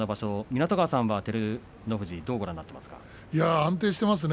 湊川さんは照ノ富士どうご覧になっていますか。